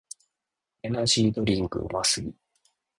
エナジードリンクうますぎ